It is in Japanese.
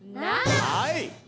はい！